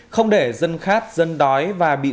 không để dân khát dân đói và bị bệnh